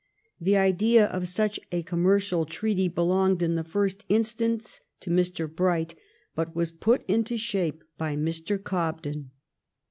The idea of such a commercial treaty belonged in the first in stance to Mr. Bright, but was put into shape by Mr, Cobden.